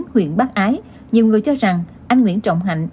huyện bắc ái nhiều người cho rằng anh nguyễn trọng hạnh